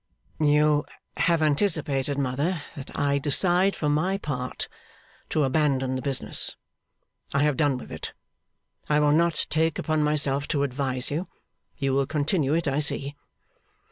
'You have anticipated, mother, that I decide for my part, to abandon the business. I have done with it. I will not take upon myself to advise you; you will continue it, I see.